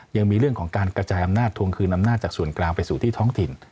ยังมีเรื่องของการกระจายอำนาจทวงคืนอำนาจจากส่วนกลางไปสู่ที่ท้องถิ่น